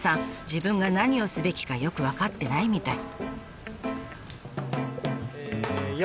自分が何をすべきかよく分かってないみたい。